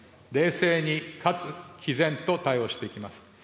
冷静にかつきぜんと対応していきます。